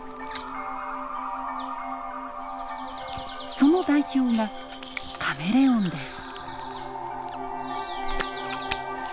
その代表がカメレオンです。